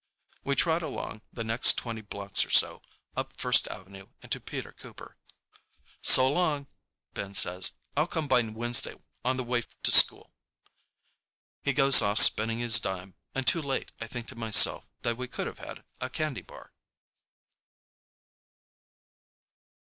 We trot along the next twenty blocks or so, up First Avenue and to Peter Cooper. "So long," Ben says. "I'll come by Wednesday on the way to school." He goes off spinning his dime, and too late I think to myself that we could have had a candy bar.